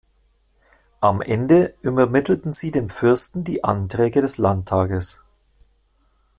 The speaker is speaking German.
Am Ende übermittelten sie dem Fürsten die Anträge des Landtages.